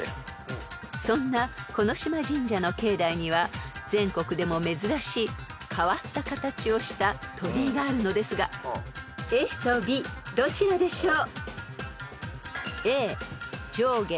［そんな木嶋神社の境内には全国でも珍しい変わった形をした鳥居があるのですがＡとＢどちらでしょう？］